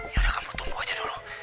ya udah kamu tunggu aja dulu